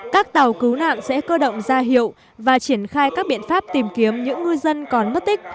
các tàu cứu nạn sẽ cơ động ra hiệu và triển khai các biện pháp tìm kiếm những ngư dân còn mất tích